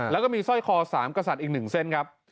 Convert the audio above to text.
แล้วก็มีสร้อยคอ๓กษัตริย์อีก๑เส้นครับ